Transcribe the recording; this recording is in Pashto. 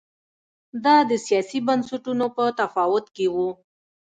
دا د سیاسي بنسټونو په تفاوت کې و